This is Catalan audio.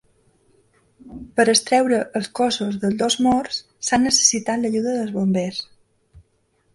Per extreure els cossos dels dos morts, s’ha necessitat l’ajuda dels bombers.